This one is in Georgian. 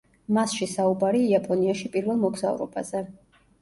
მასში საუბარი იაპონიაში პირველ მოგზაურობაზე.